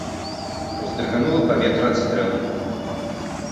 Уздрыганула паветра ад стрэлу.